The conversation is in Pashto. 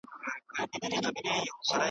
له یوې خوني تر بلي پوري تلمه .